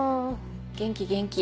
元気元気